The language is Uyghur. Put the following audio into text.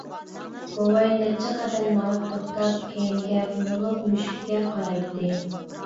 بوۋاي نەچچە قەدەم مېڭىپ توختاپ، كەينىگە بۇرۇلۇپ مۈشۈككە قارايتتى.